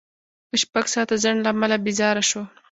د شپږ ساعته ځنډ له امله بېزاره شوو.